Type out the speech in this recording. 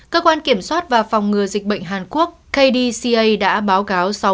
cơ quan kiểm soát và phòng ngừa dịch bệnh hàn quốc kdca đã báo cáo